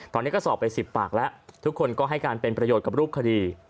ตอนนี้ก็สอบไป๑๐ปากแล้วทุกคนก็ให้การเป็นประโยชน์กับรูปคดี